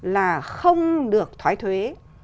là không được thoái thuế